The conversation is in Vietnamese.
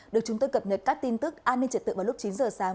được chúng tôi cập nhật các tin tức an ninh trật tượng vào lúc chín h sáng